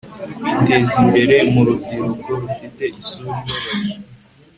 kwiteza imbere mu rubyiruko rufite isura ibabaje